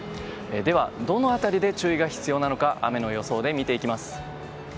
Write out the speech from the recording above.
どの辺りで注意が必要なのか雨の予想で見ていきます。